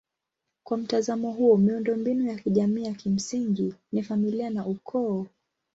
Kwa mtazamo huo miundombinu ya kijamii ya kimsingi ni familia na ukoo.